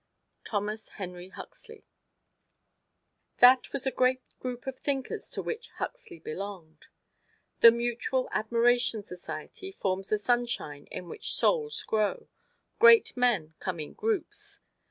Thomas Henry Huxley THOMAS H. HUXLEY That was a great group of thinkers to which Huxley belonged. The Mutual Admiration Society forms the sunshine in which souls grow great men come in groups.